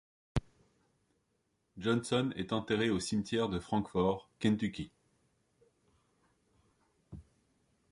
Johnson est enterré au cimetière de Frankfort, Kentucky.